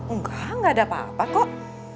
enggak enggak ada apa apa kok